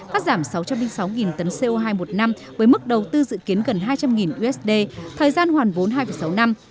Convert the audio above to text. cắt giảm sáu trăm linh sáu tấn co hai một năm với mức đầu tư dự kiến gần hai trăm linh usd thời gian hoàn vốn hai sáu năm